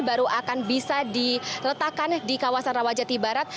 baru akan bisa diletakkan di kawasan rawajati barat